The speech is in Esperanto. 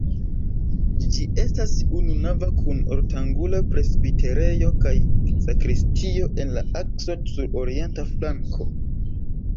Ĝi estas ununava kun ortangula presbiterejo kaj sakristio en la akso sur orienta flanko.